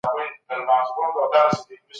په ټولنه کې د پرېکړو پلي کول زور غواړي.